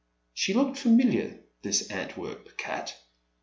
She looked familiar — this Antwerp cat.